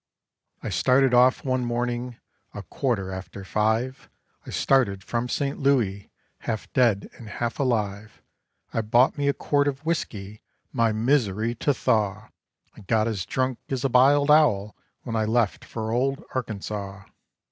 I started off one morning a quarter after five; I started from St. Louis, half dead and half alive; I bought me a quart of whiskey my misery to thaw, I got as drunk as a biled owl when I left for old Arkansaw.